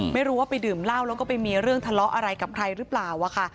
ไม่รู้ว่าไปดื่มเหล้าแล้วก็ไปมีเรื่องทะเลาะอะไรกับใครหรือเปล่าค่ะ